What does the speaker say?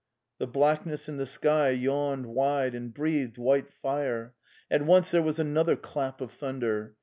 The blackness in the sky yawned wide and breathed white fire. At once there was another clap of thunder.